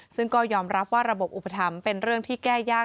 ซึ่งก็ยอมรับว่าระบบอุปถัมภ์เป็นเรื่องที่แก้ยาก